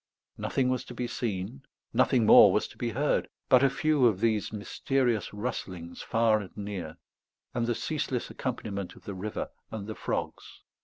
Nothing was to be seen, nothing more was to be heard, but a few of these mysterious rustlings far and near, and the ceaseless accompaniment of the river and the frogs.